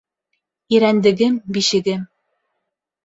Ирәндегем- бишегем